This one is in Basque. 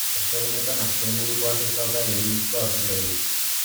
Ostegunetan azkenburukoak ez dauka gehiegizko azukrerik.